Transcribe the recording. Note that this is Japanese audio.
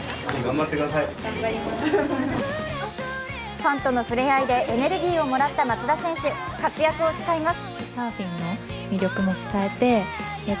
ファンとの触れ合いでエネルギーをもらった松田選手、活躍を誓います。